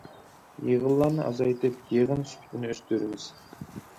يىغىنلارنى ئازايتىپ، يىغىن سۈپىتىنى ئۆستۈرىمىز.